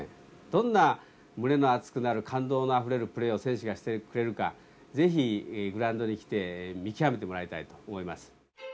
どんな胸の熱くなる感動のあふれるプレーを選手がしてくれるかぜひグラウンドに来て見極めてもらいたいと思います